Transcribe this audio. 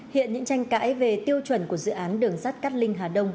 hiện những tranh cãi về tiêu chuẩn của dự án đường sắt cát linh hà đông